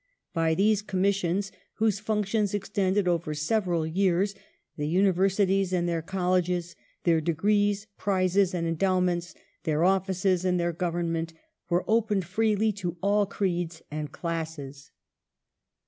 By these Commissions, whose functions extended over several years, the Universities and their Colleges, their Degrees, prizes, and endow ments, their offices and their government were opened freely to all creeds and classes.